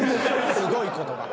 すごい言葉。